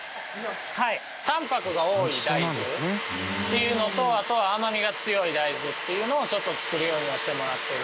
タンパクが多い大豆っていうのとあと甘みが強い大豆っていうのをちょっと作るようにはしてもらってるので。